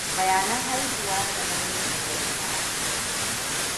Bayanan haihuwa sanenne ne ga jama'a.